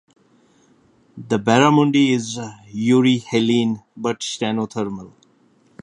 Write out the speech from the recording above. The barramundi is euryhaline, but stenothermal.